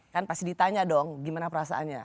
kan pasti ditanya dong gimana perasaannya